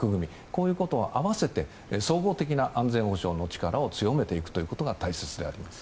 こういうことを合わせて総合的な安全保障の力を強めていくということが大切です。